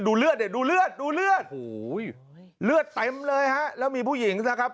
ดูเลือดดูเลือดเลือดเต็มเลยแล้วมีผู้หญิงนะครับ